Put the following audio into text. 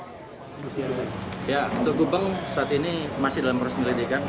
untuk gubeng saat ini masih dalam perusahaan penyidikan